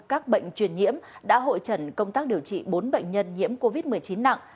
các bệnh truyền nhiễm đã hội trần công tác điều trị bốn bệnh nhân nhiễm covid một mươi chín nặng